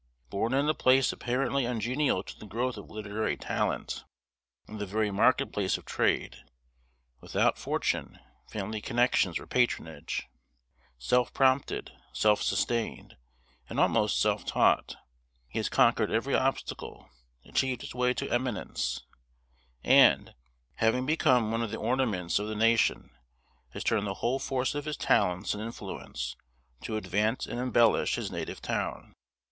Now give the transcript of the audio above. Born in a place apparently ungenial to the growth of literary talent in the very market place of trade; without fortune, family connections, or patronage; self prompted, self sustained, and almost self taught, he has conquered every obstacle, achieved his way to eminence, and, having become one of the ornaments of the nation, has turned the whole force of his talents and influence to advance and embellish his native town.